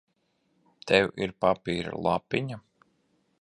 Tev ir papīra lapiņa?